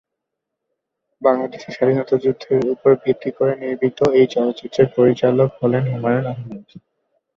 বাংলাদেশের স্বাধীনতা যুদ্ধের উপর ভিত্তি করে নির্মিত এই চলচ্চিত্রের পরিচালক হলেন হুমায়ূন আহমেদ।